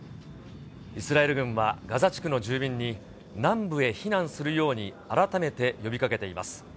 イスラエル軍はガザ地区の住民に、南部へ避難するように改めて呼びかけています。